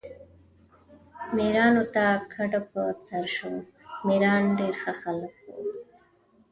میرانو ته کډه په سر شو، میران ډېر ښه خلک وو.